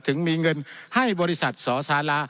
ถึงมีเงินให้บริษัทสสาระ